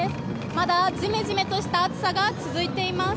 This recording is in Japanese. まだジメジメとした暑さが続いています。